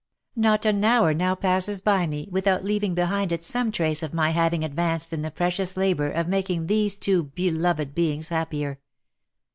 Not an hour now passes by me, without leaving behind it some trace of OP MICHAEL ARMSTRONG. 329 my having advanced in the precious labour of making these two be loved beings happier.